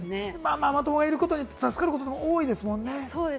ママ友がいることで助かることも多いですもんね。